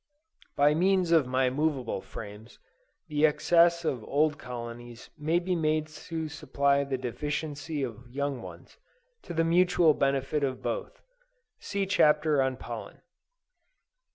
By means of my movable frames, the excess of old colonies may be made to supply the deficiency of young ones, to the mutual benefit of both. (See Chapter on Pollen.)